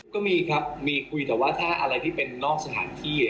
ก็มีครับมีคุยแต่ว่าถ้าอะไรที่เป็นนอกสถานที่